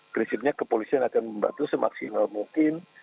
prinsipnya kepolisian akan membantu semaksimal mungkin